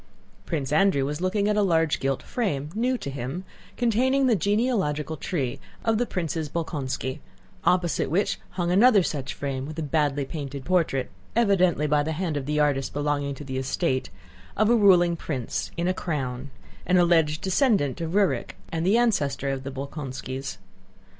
Prince Andrew was looking at a large gilt frame, new to him, containing the genealogical tree of the Princes Bolkónski, opposite which hung another such frame with a badly painted portrait (evidently by the hand of the artist belonging to the estate) of a ruling prince, in a crown—an alleged descendant of Rúrik and ancestor of the Bolkónskis.